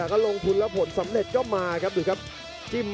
โปรดติดตามต่อไป